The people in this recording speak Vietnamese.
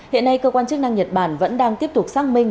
hiện nay cơ quan chức năng nhật bản vẫn đang tiếp tục xác minh